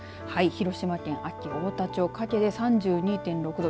広島県安芸太田町加計で３２．６度。